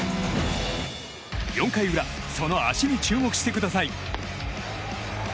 ４回裏その足に注目してください。